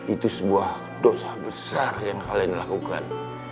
itu sebuah dosa besar yang kalian lakukan